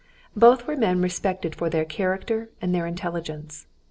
Both were men respected for their character and their intelligence.